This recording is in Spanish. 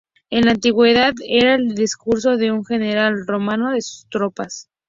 En la Antigüedad, era el discurso de un general romano a sus tropas.